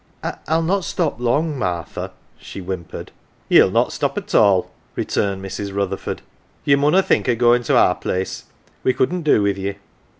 " Til not stop long, Martha," she whimpered. "Ye'll not stop at all," returned Mrs. Rutherford. " Ye mimna think o' goin' to our place. We couldn't do with ye.